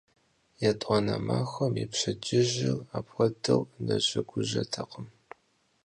ЕтӀуанэ махуэм и пщэдджыжьыр апхуэдэу нэжэгужэтэкъым.